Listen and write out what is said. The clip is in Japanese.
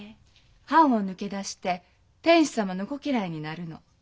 藩を抜け出して天子様の御家来になるの。